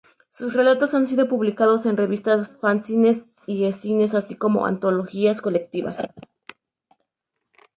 Sus relatos han sido publicados en revistas, fanzines y e-zines, así como antologías colectivas.